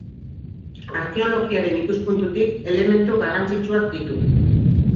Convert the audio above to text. Arkeologiaren ikuspuntutik elementu garrantzitsuak ditu.